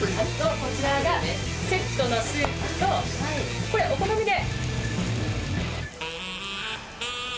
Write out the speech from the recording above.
こちらがセットのスープとこれお好みで。